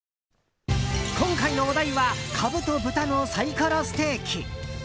今回のお題はカブと豚のサイコロステーキ。